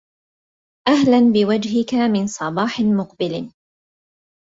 أهلا بوجهك من صباح مقبل